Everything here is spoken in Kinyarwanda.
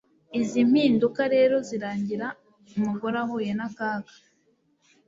Izi mpinduka rero zirangira umugore ahuye nakaga